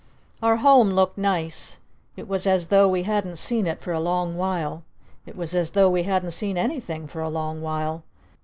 Our Home looked nice. It was as though we hadn't seen it for a long while. It was as though we hadn't seen anything for a long while!